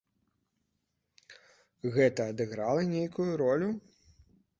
Гэта адыграла нейкую ролю?